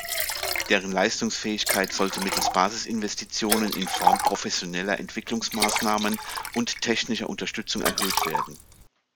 Deren Leistungsfähigkeit sollte mittels Basis-Investitionen in Form professioneller Entwicklungsmaßnahmen und technischer Unterstützung erhöht werden.